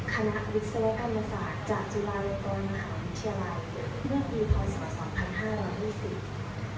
คณะวิศวกรรมศาสตร์จากจุฬาเรตรกลมหาวิทยาลัยเชียวิทยาลัยเชียงเมื่อปีพศ๒๕๒๐